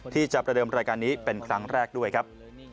ที่จะประเดิมรายการนี้เป็นครั้งแรกด้วยครับ